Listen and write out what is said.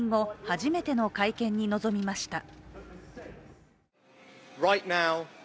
初めての会見に臨みました。